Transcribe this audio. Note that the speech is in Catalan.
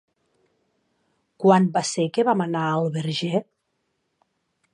Quan va ser que vam anar al Verger?